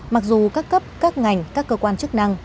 mặc dù các cấp các ngành các cơ quan chức năng